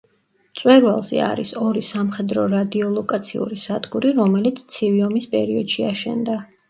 მწვერვალზე არის ორი სამხედრო რადიოლოკაციური სადგური, რომელიც ცივი ომის პერიოდში აშენდა.